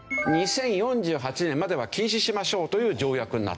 ２０４８年までは禁止しましょうという条約になってる。